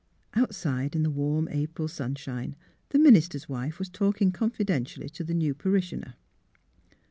Outside in the warm April sunshine the minis ter's wife was talking confidentially to the new parishioner.